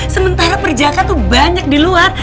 sementara perjaka itu banyak di luar